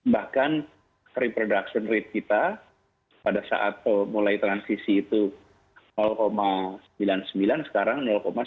bahkan reproduction rate kita pada saat mulai transisi itu sembilan puluh sembilan sekarang sembilan puluh